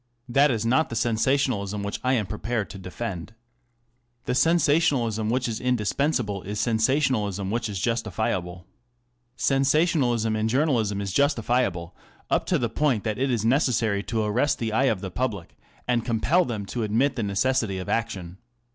That is not the sensationalism which I am prepared to defend. The sensa tionalism which is indispensable is sensationalism which is justifiable. Sensationalism in journalism is justifiable up to the point that it is necessary to arrest the eye of the public and compel them to admit the necessity of action.